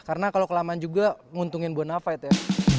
karena kalau kelamaan juga nguntungin bonafide ya